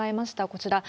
こちら。